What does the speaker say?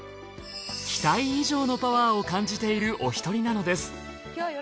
期待以上のパワーを感じているお一人なのです。